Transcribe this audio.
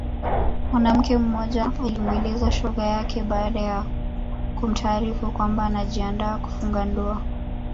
Mwanamke mmoja alimweleza shoga yake baada ya kumtaarifu kwamba anajiandaa kufunga ndoa